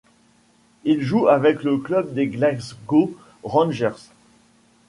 Il joue avec le club des Glasgow Rangers.